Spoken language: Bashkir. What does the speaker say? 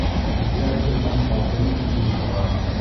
Ипләп кенә ҡалҡынып күҙ һалам.